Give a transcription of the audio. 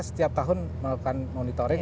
setiap tahun melakukan monitoring